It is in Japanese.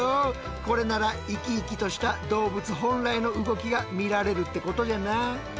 これなら生き生きとした動物本来の動きが見られるってことじゃな。